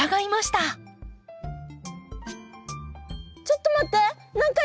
ちょっと待って。